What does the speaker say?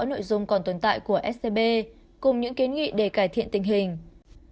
nội dung còn tồn tại của scb cùng những kiến nghị để cải thiện tình hình